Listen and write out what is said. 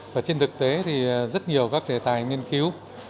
và trên thực tế thì rất nhiều các đề tài nghiên cứu